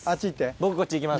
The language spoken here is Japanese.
僕こっち行きます。